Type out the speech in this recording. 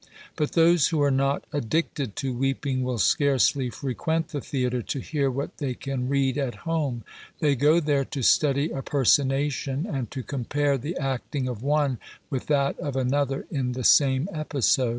But those who are not addicted to weeping will scarcely frequent the theatre to hear what they can read at home ; they go there to study a personation, and to compare the acting of one with that of another in the same episode.